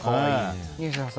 西田さん